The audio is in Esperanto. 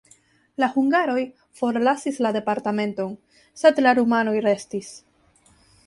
La hungaroj forlasis la departementon, sed la rumanoj restis.